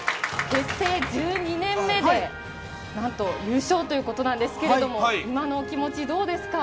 結成１２年目でなんと優勝ということなんですけれども、今のお気持ち、どうですか？